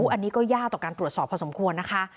อันนี้ก็ยากต่อการตรวจสอบพอสมควรนะคะ